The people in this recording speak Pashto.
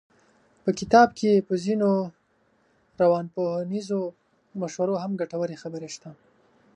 په کتاب کې په ځينو روانپوهنیزو مشورو هم ګټورې خبرې شته.